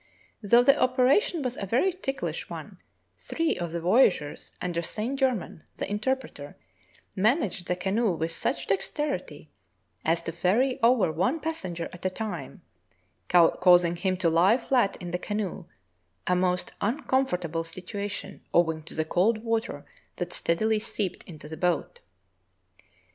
Though the operation was a very ticklish one, three of the voyageurs under Saint Germain, the interpreter, managed the canoe with such dexterity as to ferry over one passenger at a time, caus ing him to lie flat in the canoe, a most uncomfortable situation owing to the cold water that steadily seeped into the boat.